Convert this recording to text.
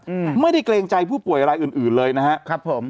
อืมไม่ได้เกรงใจผู้ป่วยอะไรอื่นอื่นเลยนะฮะครับผม